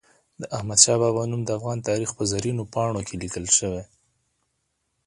د احمد شاه بابا نوم د افغان تاریخ په زرینو پاڼو کې لیکل سوی.